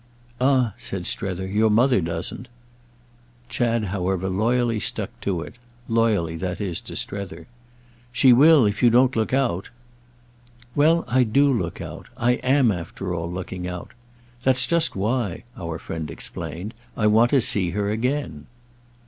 "Ah," said Strether, "your mother doesn't." Chad, however, loyally stuck to it—loyally, that is, to Strether. "She will if you don't look out." "Well, I do look out. I am, after all, looking out. That's just why," our friend explained, "I want to see her again."